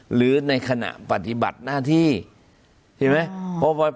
หรือในขณะปฏิบัติหน้าที่เห็นไหม